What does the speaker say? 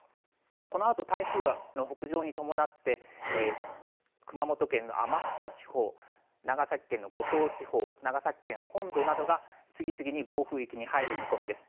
このあと台風の北上に伴って熊本県の天草地方、長崎県の五島地方、長崎県の本土などが次々に暴風域に入る見込みです。